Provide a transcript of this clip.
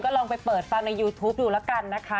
ลองไปเปิดฟังในยูทูปดูแล้วกันนะคะ